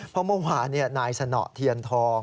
เพราะเมื่อวานนายสนเทียนทอง